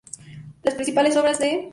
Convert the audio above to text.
Las principales obras de I. Kh.